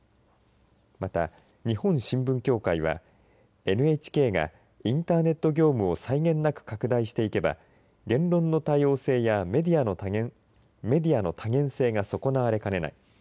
また、日本新聞協会はＮＨＫがインターネット業務を際限なく拡大していけば言論の多様性やメディアの多元性が損なわれかねない。